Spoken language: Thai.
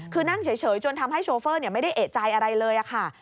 คือนั่งเฉยจนทำให้โชเฟอร์ไม่ได้เอกใจอะไรเลยค่ะ